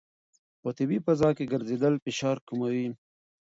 په طبیعي فضا کې ګرځېدل فشار کموي.